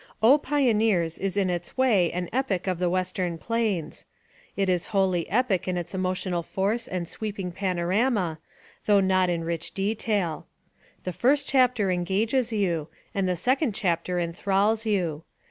Pioneers! is in its way an epic of the Western plains ; it is wholly epic in its emotional force and sweeping panorama, though not in rich detail. The first chapter engages you and the second chapter enthralls you.